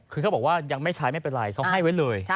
คือเขาบอกว่ายังไม่ใช้ไม่เป็นไรเขาให้ไว้เลย